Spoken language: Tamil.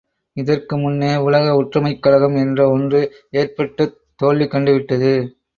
இதற்கு முன்னே உலக ஒற்றுமைக் கழகம் என்ற ஒன்று ஏற்பட்டுத் தோல்வி கண்டுவிட்டது.